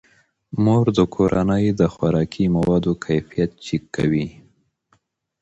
مور د کورنۍ د خوراکي موادو کیفیت چک کوي.